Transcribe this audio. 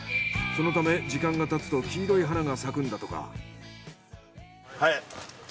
そのため時間が経つと黄色い花が咲くんだとか。